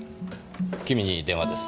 君に電話です。